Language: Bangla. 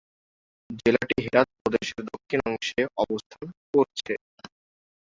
জেলাটি হেরাত প্রদেশের দক্ষিণ অংশে অবস্থান করছে।